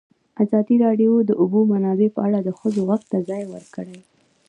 ازادي راډیو د د اوبو منابع په اړه د ښځو غږ ته ځای ورکړی.